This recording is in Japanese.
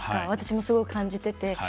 私もすごく感じてて。